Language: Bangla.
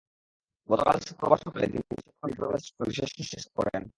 গতকাল শুক্রবার সকালে তিনি চট্টগ্রাম মেডিকেল কলেজ হাসপাতালে শেষনিঃশ্বাস ত্যাগ করেন।